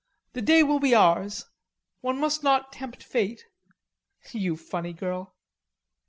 The day will be ours. One must not tempt fate." "You funny girl."